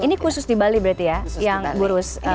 ini khusus di bali berarti ya yang burus